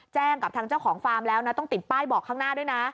กับทางเจ้าของฟาร์มแล้วนะต้องติดป้ายบอกข้างหน้าด้วยนะ